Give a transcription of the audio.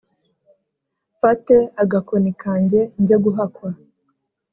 Mfate agakoni kanjyenjye guhakwa